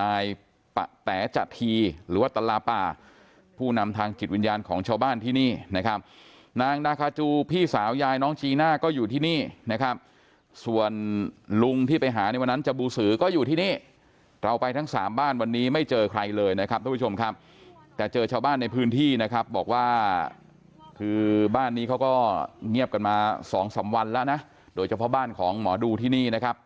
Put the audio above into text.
นายปะแต๋จทีหรือว่าตลาป่าผู้นำทางจิตวิญญาณของชาวบ้านที่นี่นะครับนางนาคาจูพี่สาวยายน้องจีน่าก็อยู่ที่นี่นะครับส่วนลุงที่ไปหาในวันนั้นจบูสือก็อยู่ที่นี่เราไปทั้งสามบ้านวันนี้ไม่เจอใครเลยนะครับทุกผู้ชมครับแต่เจอชาวบ้านในพื้นที่นะครับบอกว่าคือบ้านนี้เขาก็เงียบกันมาสองสามวันแล้วนะโดยเฉพาะบ้านของหมอดูที่นี่นะครับ